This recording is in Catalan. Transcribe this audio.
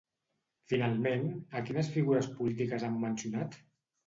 Finalment, a quines figures polítiques han mencionat?